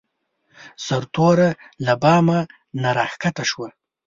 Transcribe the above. سرتوره له بام نه راکښته شوه.